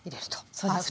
そうですね。